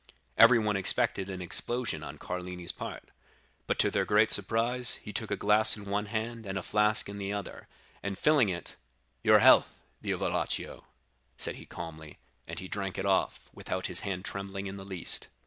"Everyone expected an explosion on Carlini's part; but to their great surprise, he took a glass in one hand and a flask in the other, and filling it,— "'Your health, Diavolaccio,' said he calmly, and he drank it off, without his hand trembling in the least.